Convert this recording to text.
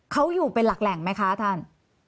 เขาอยู่เป็นหลักแหล่งไหมคะท่าน